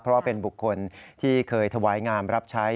เพราะว่าเป็นบุคคลที่เคยถวายงามรับใช้